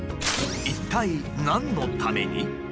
一体何のために？